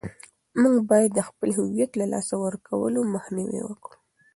موږ باید د خپل هویت له لاسه ورکولو مخنیوی وکړو.